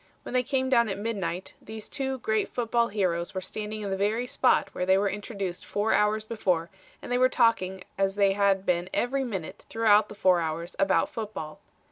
When they came down at midnight these two great football heroes were standing in the very spot where they were introduced four hours before and they were talking as they had been every minute throughout the four hours about football.